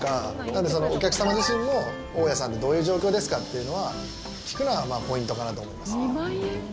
なので、お客様自身も大家さんってどういう状況ですかっていうのは聞くのがポイントかなと思います。